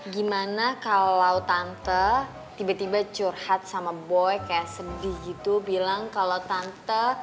gimana kalau tante tiba tiba curhat sama boy kayak sedih gitu bilang kalau tante